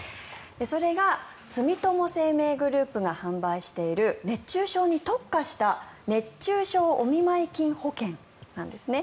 それが住友生命グループが販売している熱中症に特化した熱中症お見舞い金保険なんですね